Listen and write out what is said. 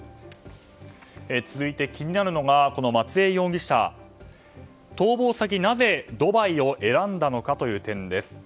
続いて気になるのがこの松江容疑者逃亡先、なぜドバイを選んだのかという点です。